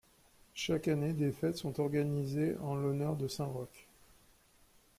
Chaque année, des fêtes sont organisées en l'honneur de saint Roch.